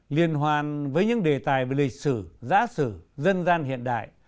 liên hoan với những đề tài về lịch sử giã sử dân gian hiện đại